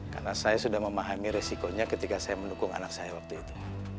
karena saya sudah memahami resikonya ketika saya mendukung anak saya waktu itu